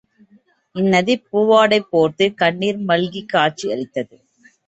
இந் நதி பூவாடை போர்த்துக் கண்ணிர் மல்கிக் காட்சி அளித்தது.